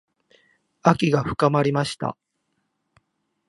秋が深まりました。